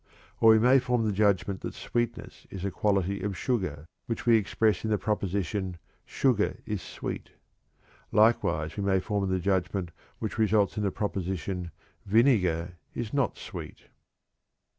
Or we may form the judgment that "sweetness" is a quality of "sugar," which we express in the proposition: "Sugar is sweet." Likewise, we may form the judgment which results in the proposition: "Vinegar is not sweet."